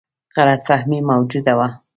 غلط فهمي موجوده وه.